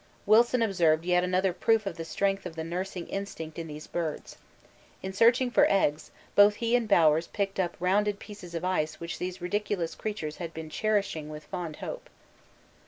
Wilson observed yet another proof of the strength of the nursing instinct in these birds. In searching for eggs both he and Bowers picked up rounded pieces of ice which these ridiculous creatures had been cherishing with fond hope.